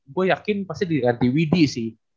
gue yakin pasti di widhi sih